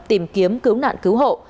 tìm kiếm cứu nạn cứu hộ